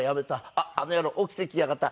あっあの野郎起きてきやがった。